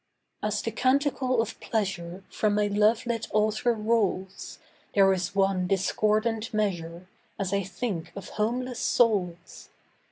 As the canticle of pleasure From my lovelit altar rolls, There is one discordant measure, As I think of homeless souls.